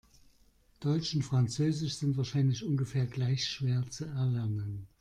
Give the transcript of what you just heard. Deutsch und Französisch sind wahrscheinlich ungefähr gleich schwer zu erlernen.